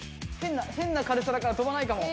変なかるさだから飛ばないかも。